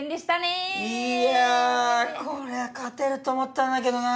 これは勝てると思ったんだけどな。